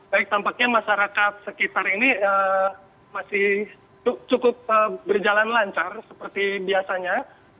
baik tampaknya masyarakat sekitar ini masih cukup berjalan lancar seperti biasanya